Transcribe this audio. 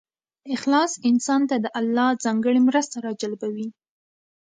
اخلاص انسان ته د الله ځانګړې مرسته راجلبوي.